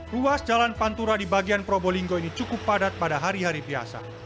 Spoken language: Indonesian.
ruas jalan pantura di bagian probolinggo ini cukup padat pada hari hari biasa